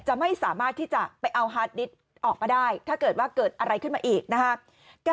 ไม่สามารถที่จะไปเอาฮาร์ดดิตออกมาได้ถ้าเกิดว่าเกิดอะไรขึ้นมาอีกนะครับ